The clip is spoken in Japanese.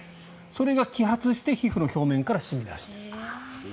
それが揮発して皮膚の表面から染み出している。